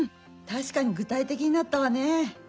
たしかに具体的になったわね。